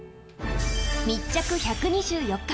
密着１２４日。